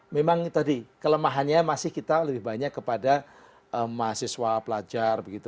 memang tadi kelemahannya masih kita lebih banyak kepada mahasiswa pelajar begitu